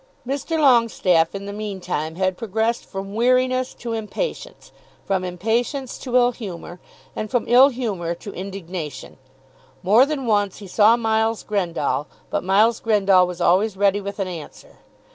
Mr. Longestaffe in the meantime had progressed from weariness to impatience, from impatience to ill humour, and from ill humour to indignation. More than once he saw Miles Grendall, but Miles Grendall was always ready with an answer.